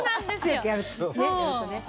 強くやるとね。